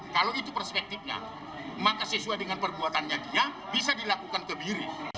kalau itu perspektifnya maka sesuai dengan perbuatannya dia bisa dilakukan kebiri